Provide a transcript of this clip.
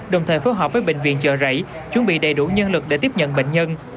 đồng thời phối hợp với bệnh viện chợ rẫy chuẩn bị đầy đủ nhân lực để tiếp nhận bệnh nhân